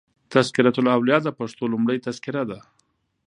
"تذکرة الاولیا" دپښتو لومړۍ تذکره ده.